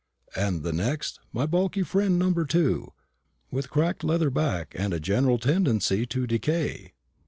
"And the next, my bulky friend number two, with a cracked leather back and a general tendency to decay?"